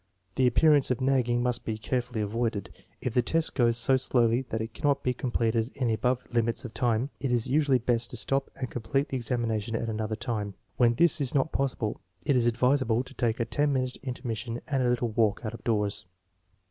The appearance of nagging must be carefully avoided. If the test goes so slowly that it cannot be com pleted in the above limits of time, it is usually best to stop and complete the examination at another time. When this is not possible, it is advisable to take a ten minute inter mission and a little walk out of doors.